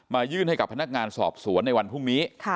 ยื่นให้กับพนักงานสอบสวนในวันพรุ่งนี้